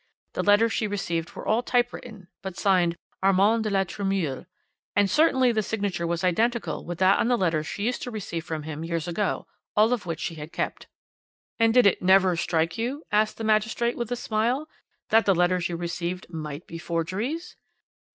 The letters she received were all typewritten, but signed 'Armand de la Tremouille,' and certainly the signature was identical with that on the letters she used to receive from him years ago, all of which she had kept. "'And did it never strike you,' asked the magistrate with a smile, 'that the letters you received might be forgeries?'